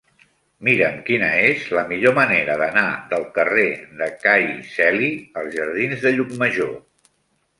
Mira'm quina és la millor manera d'anar del carrer de Cai Celi als jardins de Llucmajor.